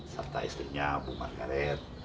serta istrinya bu margaret